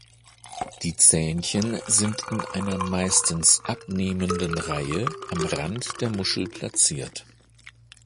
Die Zähnchen sind in einer meistens abnehmenden Reihe am Rand der Muschel platziert.